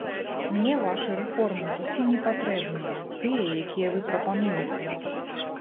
Мне вашы рэформы зусім не патрэбныя, тыя, якія вы прапануеце!